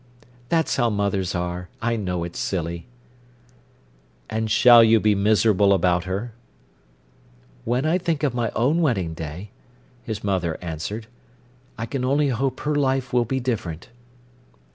That's how mothers are—I know it's silly." "And shall you be miserable about her?" "When I think of my own wedding day," his mother answered, "I can only hope her life will be different."